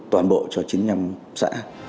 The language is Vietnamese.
toàn bộ cho chín mươi năm xã